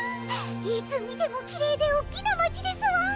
いつ見てもきれいでおっきな街ですわ。